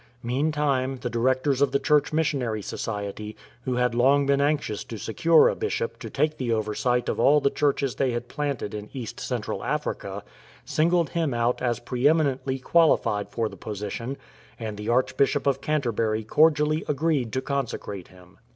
Meantime the directors of the Church Missionary Society, who had long been anxious to secure a Bishop to take the oversight of all the churches they had planted in East Central Africa, singled him out as pre eminently qualified for the position, and the Archbishop of Canter bury cordially agreed to consecrate him.